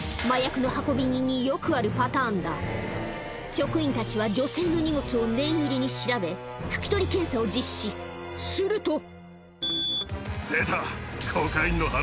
職員たちは女性の荷物を念入りに調べ拭き取り検査を実施すると出た。